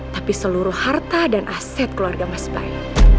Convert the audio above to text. tapi seluruh harta dan aset keluarga mas baik